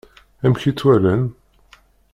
Amek i tt-walan?